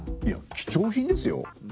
いや貴重品ですよ？